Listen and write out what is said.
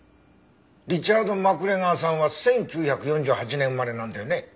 リチャード・マクレガーさんは１９４８年生まれなんだよね？